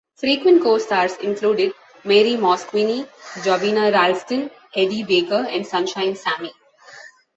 Frequent co-stars included Marie Mosquini, Jobyna Ralston, Eddie Baker, and Sunshine Sammy.